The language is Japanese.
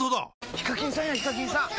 ヒカキンさんやヒカキンさん！